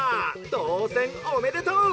とうせんおめでとう！